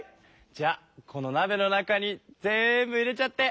じゃあこのなべの中に全部入れちゃって。